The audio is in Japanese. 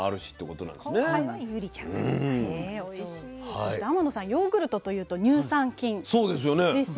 そして天野さんヨーグルトというと乳酸菌ですよね。